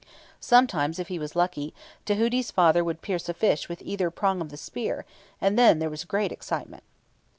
Sometimes, if he was lucky, Tahuti's father would pierce a fish with either prong of the spear, and then there was great excitement.